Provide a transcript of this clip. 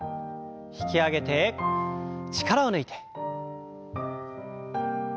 引き上げて力を抜いて。